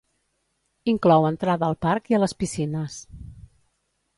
Inclou entrada al parc i a les piscines.